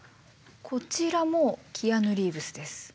こちらもキアヌ・リーブスです。